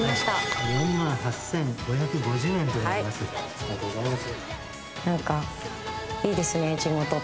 ありがとうございます。